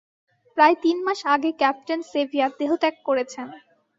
প্রায় তিন মাস আগে ক্যাপ্টেন সেভিয়ার দেহত্যাগ করেছেন।